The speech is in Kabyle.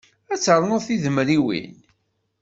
Ad ternuḍ tidemriwin.